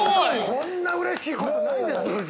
◆こんなうれしいしことないです夫人。